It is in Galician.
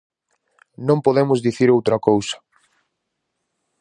Non podemos dicir outra cousa.